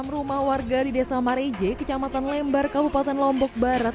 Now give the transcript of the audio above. enam rumah warga di desa mareje kecamatan lembar kabupaten lombok barat